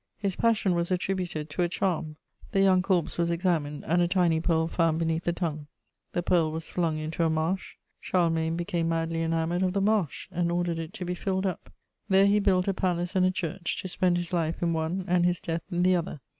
His passion was attributed to a charm: the young corpse was examined, and a tiny pearl found beneath the tongue. The pearl was flung into a marsh; Charlemagne became madly enamoured of the marsh, and ordered it to be filled up: there he built a palace and a church, to spend his life in one and his death in the other.